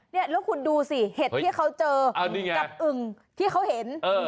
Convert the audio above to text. แล้วคุณดูสิเห็ดที่เขาเจอกับอึ่งที่เขาเห็น